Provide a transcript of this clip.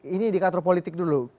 ini di kantor politik dulu